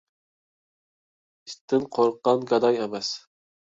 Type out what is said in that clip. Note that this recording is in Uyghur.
ئىتتىن قورققان گاداي ئەمەس.